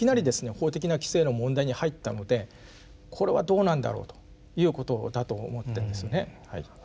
法的な規制の問題に入ったのでこれはどうなんだろうということだと思ってるんですね。